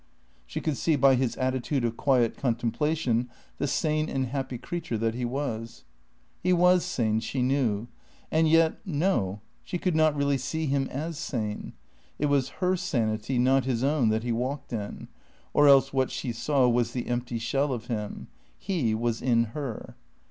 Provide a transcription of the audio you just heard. She could see by his attitude of quiet contemplation the sane and happy creature that he was. He was sane, she knew. And yet, no; she could not really see him as sane. It was her sanity, not his own that he walked in. Or else what she saw was the empty shell of him. He was in her.